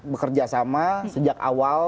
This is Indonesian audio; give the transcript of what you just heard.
bekerja sama sejak awal